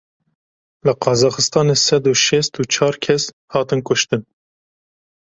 Li Qazaxistanê sed û şêst û çar kes hatin kuştin.